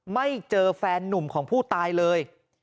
ไม่เจอแฟนนุ่มของผู้ตายเลย